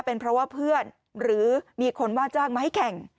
เป็นเพราะว่าเพื่อนหรือมีคนว่าจ้างมาให้แข่ง